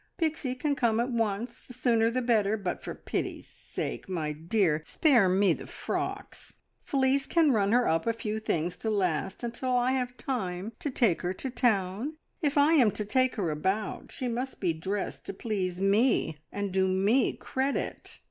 "Pixie can come at once the sooner the better, but for pity's sake, my dear, spare me the frocks. Felice can run her up a few things to last until I have time to take her to town. If I am to take her about, she must be dressed to please me, and do me credit.